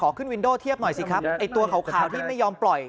ขึ้นวินโดเทียบหน่อยสิครับไอ้ตัวขาวที่ไม่ยอมปล่อย